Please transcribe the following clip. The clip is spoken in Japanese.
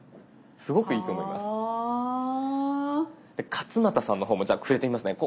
勝俣さんの方もじゃあ触れてみますね。